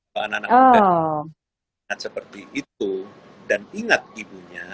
bahwa anak anak muda ingat seperti itu dan ingat ibunya